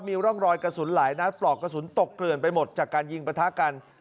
มีร่องรอยกระสุนหลายนัดปลอกกระสุนตกเกลื่อนไปหมดจากการยิงประทะกัน